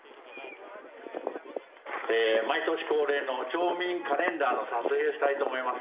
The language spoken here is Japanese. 毎年恒例の町民カレンダーの撮影をしたいと思います。